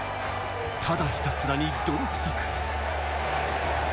ただひたすらに泥臭く。